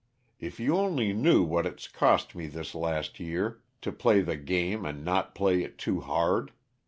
If you only knew what it's cost me this last year to play the game and not play it too hard!